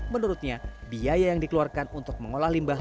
menurutnya biaya yang dikeluarkan untuk mengolah limbah